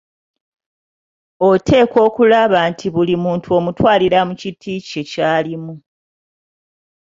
Oteekwa okulaba nti buli muntu omutwalira mu kiti kye ky’alimu.